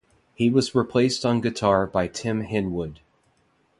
He was replaced on guitar by Tim Henwood.